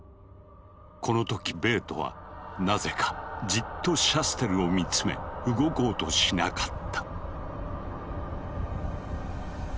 この時ベートはなぜかじっとシャステルを見つめ動こうとしなかった。